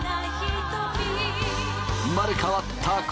生まれ変わった昴